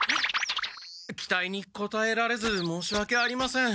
期待にこたえられず申しわけありません。